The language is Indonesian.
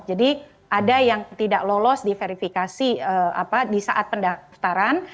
jadi ada yang tidak lolos di verifikasi di saat pendaftaran